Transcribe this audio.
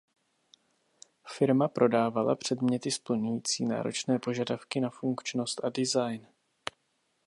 Firma prodávala předměty splňující náročné požadavky na funkčnost a design.